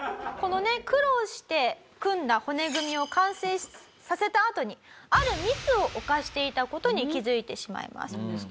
このね苦労して組んだ骨組みを完成させたあとにあるミスを犯していた事に気づいてしまいます。